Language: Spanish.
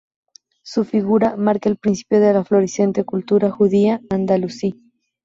Su figura marca el principio de la floreciente cultura judía andalusí.